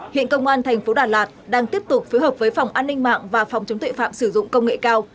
hiện công an tp đà lạt đang tiếp tục phối hợp với phòng an ninh mạng và phòng chống tội phạm sử dụng công nghệ cao